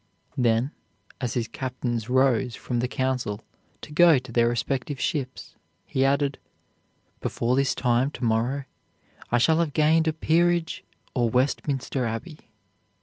Then, as his captains rose from the council to go to their respective ships, he added: "Before this time to morrow I shall have gained a peerage or Westminster Abbey."